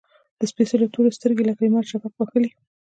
د سپیڅلو تورو، سترګې لکه لمر شفق وهلي